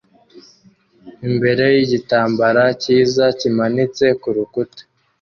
imbere yigitambara cyiza kimanitse kurukuta